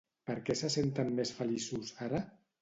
Per què se senten més feliços, ara?